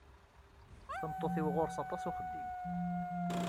Tameṭṭut-iw ɣur-s aṭas uxeddim